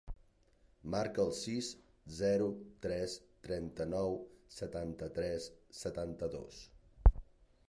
Marca el sis, zero, tres, trenta-nou, setanta-tres, setanta-dos.